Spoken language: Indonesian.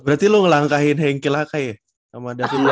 berarti lu ngelangkahin henki lakai ya sama david lalu kan